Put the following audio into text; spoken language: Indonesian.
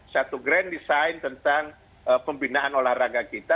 satu grand design tentang pembinaan olahraga kita